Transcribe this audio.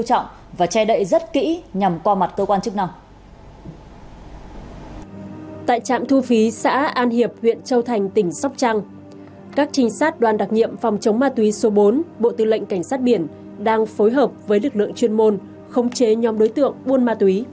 các đoàn đặc nhiệm phòng chống ma túy số bốn bộ tư lệnh cảnh sát biển đang phối hợp với lực lượng chuyên môn khống chế nhóm đối tượng buôn ma túy